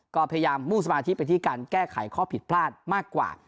ก็พยายามมุ่งสมาธิไปที่การแก้ไขข้อผิดพลาดมากกว่า